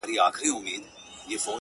زما ذهن ته راغلی وي